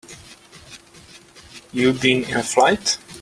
You been in a fight?